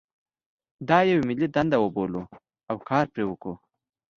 دا یوه ملي دنده وبولو او کار پرې وکړو.